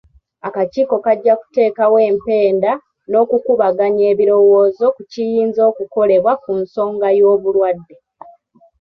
Akakiiko kajja kuteekawo empenda n'okukubaganya ebirowoozo ku kiyinza okukolebwa ku nsonga y'obulwadde.